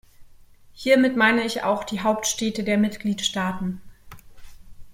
Hiermit meine ich auch die Hauptstädte der Mitgliedstaaten.